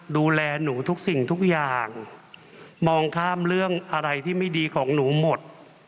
ดูแลหนูทุกสิ่งทุกอย่างมองข้ามเรื่องอะไรที่ไม่ดีของหนูหมด